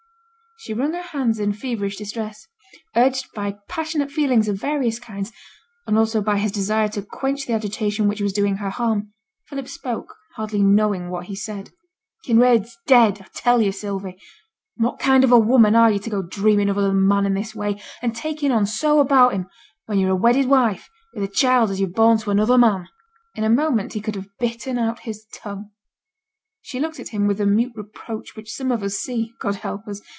She wrung her hands in feverish distress. Urged by passionate feelings of various kinds, and also by his desire to quench the agitation which was doing her harm, Philip spoke, hardly knowing what he said. 'Kinraid's dead, I tell yo', Sylvie! And what kind of a woman are yo' to go dreaming of another man i' this way, and taking on so about him, when yo're a wedded wife, with a child as yo've borne to another man?' In a moment he could have bitten out his tongue. She looked at him with the mute reproach which some of us see (God help us!)